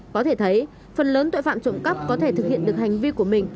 có thể thấy phần lớn tội phạm trộm cắp có thể thực hiện được hành vi của mình